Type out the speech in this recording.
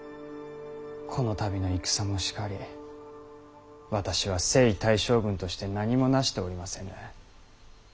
この度の戦もしかり私は征夷大将軍として何もなしておりませぬ。